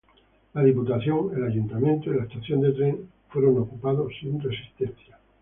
La Diputación, el ayuntamiento y la estación de tren fueron ocupados sin resistencia.